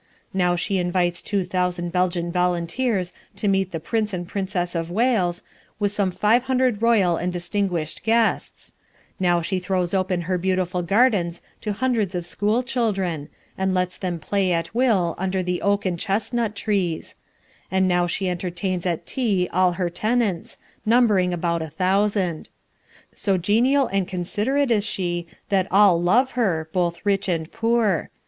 Now she invites two thousand Belgian volunteers to meet the Prince and Princess of Wales, with some five hundred royal and distinguished guests; now she throws open her beautiful gardens to hundreds of school children, and lets them play at will under the oak and chestnut trees; and now she entertains at tea all her tenants, numbering about a thousand. So genial and considerate is she that all love her, both rich and poor.